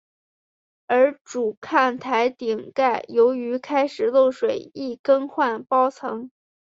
而主看台顶盖由于开始漏水亦更换包层。